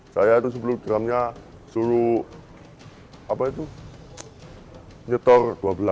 saya itu sepuluh gramnya suruh nyetor dua belas